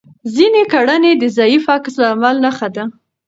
ځینې کړنې د ضعیف عکس العمل نښه ده.